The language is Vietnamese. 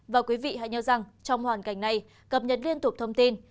và quý vị hãy nhớ rằng trong hoàn cảnh này cập nhật liên tục thông tin